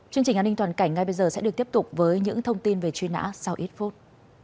chương trình an ninh toàn cảnh ngay bây giờ sẽ được tiếp tục với những thông tin về truy nã sau ít phút